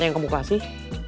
yang ke bukasih